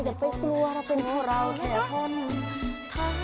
เดี๋ยวไปกลัวเราเป็นชาวเราแก่คน